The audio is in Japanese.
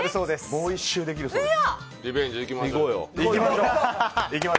もう１周できるそうです。